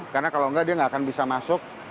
karena kalau enggak dia tidak akan bisa masuk